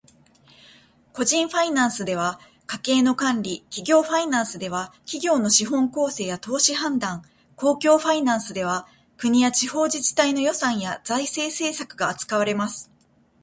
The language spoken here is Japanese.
個人ファイナンスでは家計の管理、企業ファイナンスでは企業の資本構成や投資判断、公共ファイナンスでは国や地方自治体の予算や財政政策が扱われます。